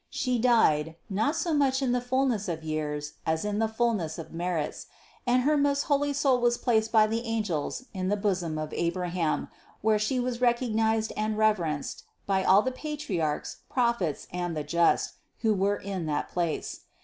She died, not so much in the fullness of years as in the fullness of merits, and her most holy soul was placed by the angels in the bosom of Abraham, where she was recognized and reverenced by all the Patriarchs, Prophets and the just, who were in that place.